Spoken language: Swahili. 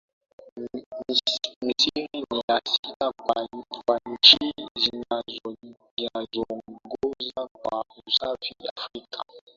Misri ni ya sita kwa nchi zinazoongoza kwa usafi Afrika